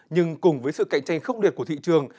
nhưng cùng với sự cạnh tranh khốc liệt của thị trường